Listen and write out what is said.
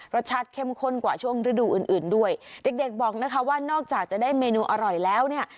รสชาติเข้มข้นกว่าช่วงฤดูอื่นอื่นด้วยเด็กเด็กบอกนะคะว่านอกจากจะได้เมนูอร่อยแล้วเนี่ย